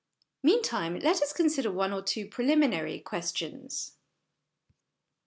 Meantime, let us consider one or two preliminary questions.